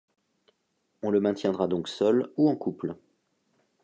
On le maintiendra donc seul ou en couple.